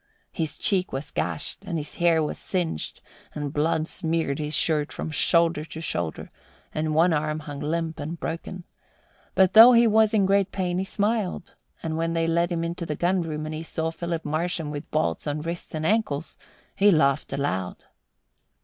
His cheek was gashed and his hair was singed and blood smeared his shirt from shoulder to shoulder and one arm hung limp and broken; but though he was in great pain he smiled, and when they led him into the gun room and he saw Philip Marsham with bolts on wrists and ankles, he laughed aloud.